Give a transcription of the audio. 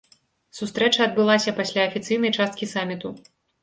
Сустрэча адбылася пасля афіцыйнай часткі саміту.